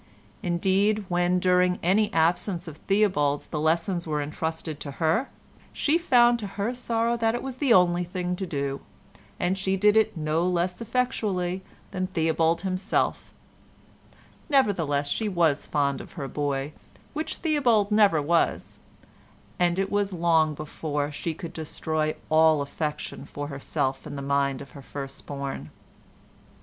Indeed, when during any absence of Theobald's the lessons were entrusted to her, she found to her sorrow that it was the only thing to do, and she did it no less effectually than Theobald himself, nevertheless she was fond of her boy, which Theobald never was, and it was long before she could destroy all affection for herself in the mind of her first born.